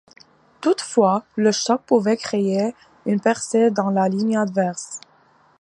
Toutefois, le choc pouvait créer une percée dans la ligne adverse.